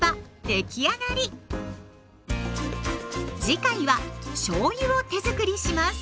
次回はしょうゆを手づくりします。